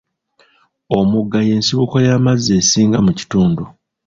Omugga y'ensibuko y'amazzi esinga mu kitundu.